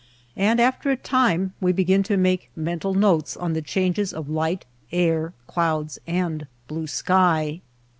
And after a time we begin to make mental notes on the changes of light, air, clouds, and blue sky.